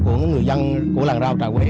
của người dân của làng rau trà quế